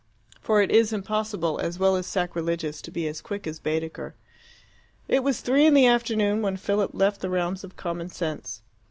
For it is impossible, as well as sacrilegious, to be as quick as Baedeker. It was three in the afternoon when Philip left the realms of commonsense.